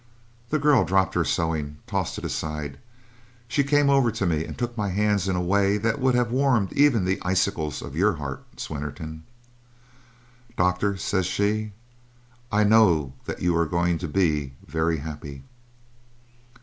The girl dropped her sewing tossed it aside. She came over to me and took my hands in a way that would have warmed even the icicles of your heart, Swinnerton. "'Doctor,' says she, 'I know that you are going to be very happy.'